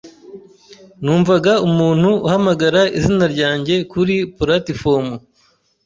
Numvaga umuntu uhamagara izina ryanjye kuri platifomu.